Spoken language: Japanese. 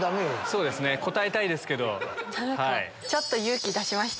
そうですね答えたいですけど。